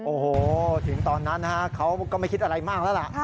โอ้โหถึงตอนนั้นนะฮะเขาก็ไม่คิดอะไรมากแล้วล่ะ